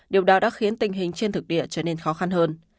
điều đó đã khiến tình hình trên thực địa trở nên khó khăn hơn